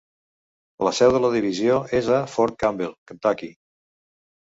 La seu de la divisió és a Fort Campbell, Kentucky.